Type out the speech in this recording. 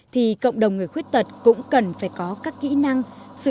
thì cộng đồng người khuyết tật cũng cần phải có các kỹ năng